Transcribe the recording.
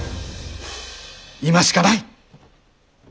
今しかない！